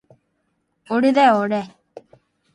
おれだよおれ